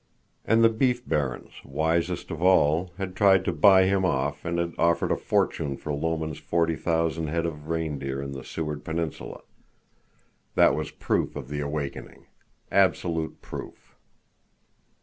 And the beef barons, wisest of all, had tried to buy him off and had offered a fortune for Lomen's forty thousand head of reindeer in the Seward Peninsula! That was proof of the awakening. Absolute proof.